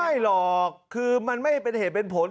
ไม่หรอกคือมันไม่เป็นเหตุเป็นผล